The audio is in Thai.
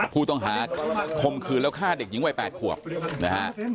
ผู้ต้องหาคมคืนแล้วฆ่าเด็กหญิงวัย๘ขวบนะฮะ